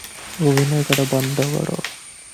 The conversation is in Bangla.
অভিনয় করা বন্ধ কর।